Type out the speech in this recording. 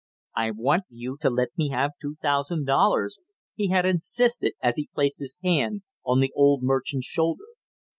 "I want you to let me have two thousand dollars!" he had insisted, as he placed his hand on the old merchant's shoulder.